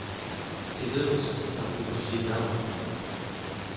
Ses œuvres sont conservées au Musée d'art de Toulon.